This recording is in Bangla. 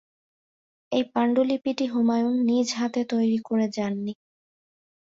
এই পাণ্ডুলিপিটি হুমায়ুন নিজ হাতে তৈরী করে যান নি।